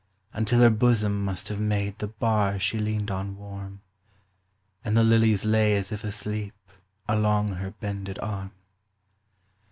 99 Until her bosom must have made The bar she leaned on warm, And the lilies lay as if asleep Along her bended arm.